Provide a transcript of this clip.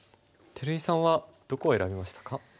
照井さんはどこを選びましたか？